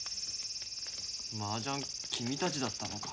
マージャン君たちだったのか。